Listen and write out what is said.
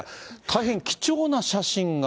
大変貴重な写真が。